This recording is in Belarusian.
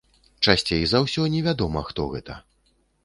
Часцей за ўсё невядома хто гэта.